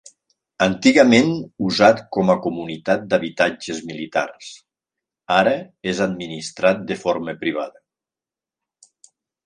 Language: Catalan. Antigament usat com a comunitat d'habitatges militars, ara és administrat de forma privada.